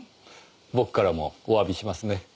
僕からもおわびしますね。